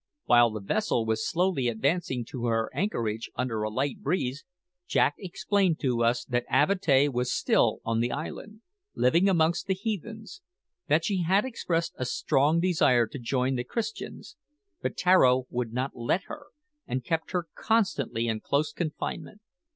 While the vessel was slowly advancing to her anchorage, under a light breeze, Jack explained to us that Avatea was still on the island, living amongst the heathens; that she had expressed a strong desire to join the Christians; but Tararo would not let her, and kept her constantly in close confinement.